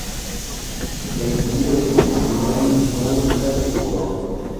El tio restis nun nur la turo.